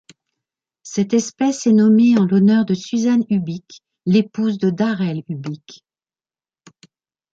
Cette espèce est nommée en l'honneur de Suzanne Ubick l'épouse de Darrell Ubick.